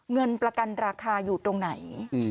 เงินประกันราคาอยู่ตรงไหน